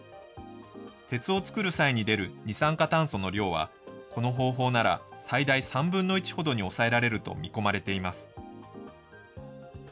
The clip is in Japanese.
鉄を作る際に出る二酸化炭素の量は、この方法なら最大３分の１ほどに抑えられると見込まれています。